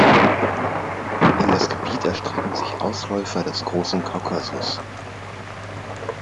In das Gebiet erstrecken sich Ausläufer des Großen Kaukasus.